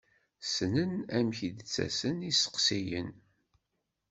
Ssnen amek i d-ttasen yisteqsiyen.